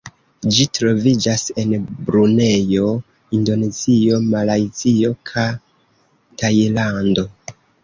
Ĝi troviĝas en Brunejo, Indonezio, Malajzio ka Tajlando.